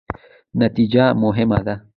نتیجه مهمه ده